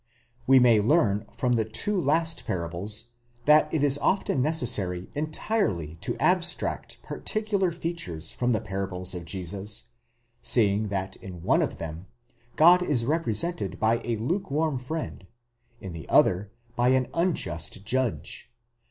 We may learn from the two last parables, that it is often necessary entirely to abstract particular features from the parables of Jesus, seeing that in one of them God is represented by a lukewarm friend, in the other by an unjust judge.